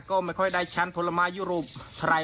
ก็ไม่ค่อยได้ชันผลไม้ยุโรปไทย